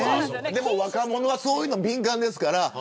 でも若者はそういうの敏感ですから。